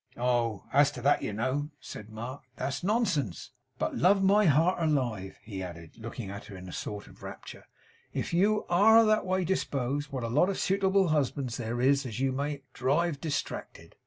'Oh! as to that, you know,' said Mark, 'that's nonsense. But love my heart alive!' he added, looking at her in a sort of rapture, 'if you ARE that way disposed, what a lot of suitable husbands there is as you may drive distracted!